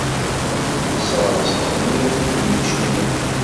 Isseɣres leqyud n yimcumen.